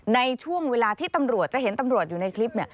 ในช่วงเวลาที่ตำรวจจะเห็นตำรวจอยู่ในคลิป